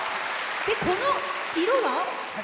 この色は？